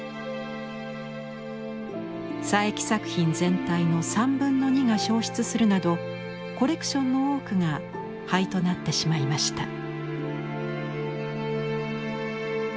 佐伯作品全体の３分の２が焼失するなどコレクションの多くが灰となってしまいました。